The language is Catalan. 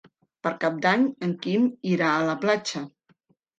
Per Cap d'Any en Quim irà a la platja.